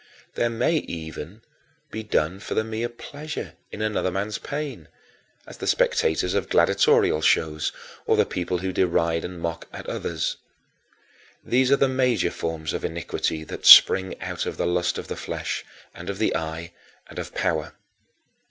They may even be done for the mere pleasure in another man's pain, as the spectators of gladiatorial shows or the people who deride and mock at others. These are the major forms of iniquity that spring out of the lust of the flesh, and of the eye, and of power.